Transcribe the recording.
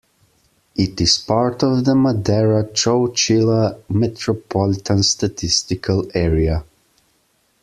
It is part of the Madera-Chowchilla Metropolitan Statistical Area.